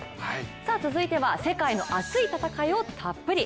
続いては世界の熱い戦いをたっぷり。